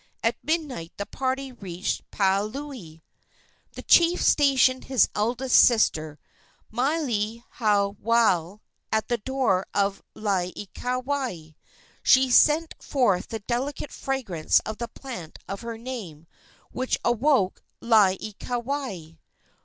At midnight the party reached Paliuli. The chief stationed his eldest sister, Maile haiwale, at the door of Laieikawai. She sent forth the delicate fragrance of the plant of her name, which awoke Laieikawai.